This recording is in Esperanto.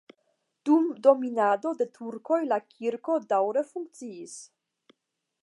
Dum dominado de turkoj la kirko daŭre funkciis.